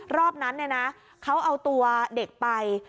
รอบนั้นเขาเอาตัวเด็กไป